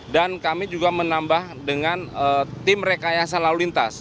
dan kami juga menambah dengan tim rekayasa lalu lintas